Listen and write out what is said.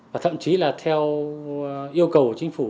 và thậm chí là theo yêu cầu của chính phủ